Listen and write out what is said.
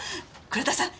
倉田さん